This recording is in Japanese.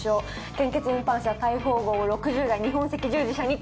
献血運搬車「大鵬号」を６０台日本赤十字社に寄贈。